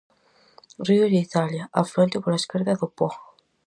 Río de Italia, afluente pola esquerda do Po.